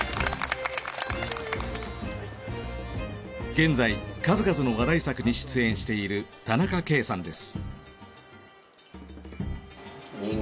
現在数々の話題作に出演している田中圭さんです。